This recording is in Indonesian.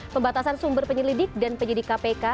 pembatasan sumber penyelidik dan penyidik kpk